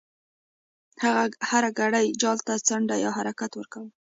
هغه هر ګړی جال ته څنډ یا حرکت ورکاوه.